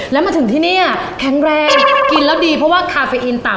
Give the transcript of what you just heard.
แล้วมาถึงที่นี่แข็งแรงกินแล้วดีเพราะว่าคาเฟอินต่ำ